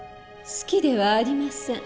好きではありません。